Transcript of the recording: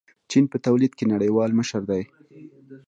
چین په تولید کې نړیوال مشر دی.